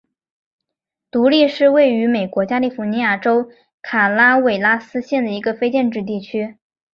独立是位于美国加利福尼亚州卡拉韦拉斯县的一个非建制地区。